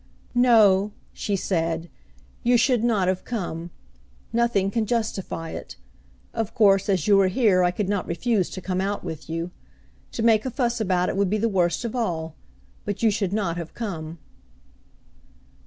"No," she said, "you should not have come. Nothing can justify it. Of course as you are here I could not refuse to come out with you. To make a fuss about it would be the worst of all. But you should not have come."